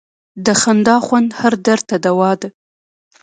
د خندا خوند هر درد ته دوا ده.